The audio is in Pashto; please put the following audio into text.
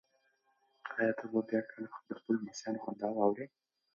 ایا ته به بیا کله د خپلو لمسیانو خندا واورې؟